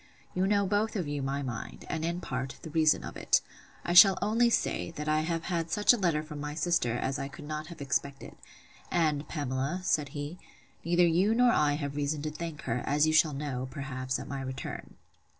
You know both of you my mind, and, in part, the reason of it. I shall only say, that I have had such a letter from my sister, as I could not have expected; and, Pamela, said he, neither you nor I have reason to thank her, as you shall know, perhaps at my return.